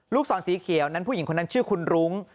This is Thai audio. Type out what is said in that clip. ศรสีเขียวนั้นผู้หญิงคนนั้นชื่อคุณรุ้ง